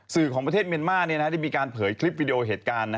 สื่อของประเทศเมียนมาร์ได้มีการเผยคลิปวิดีโอเหตุการณ์